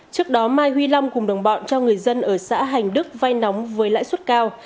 trước đó mai huy long cùng đồng bọn cho người dân ở xã hành đức vay nóng với lãi suất cao